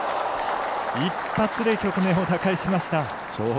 一発で局面を打開しました。